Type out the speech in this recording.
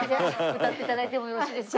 歌って頂いてもよろしいですか？